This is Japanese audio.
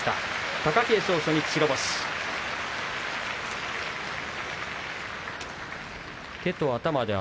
貴景勝、初日白星です。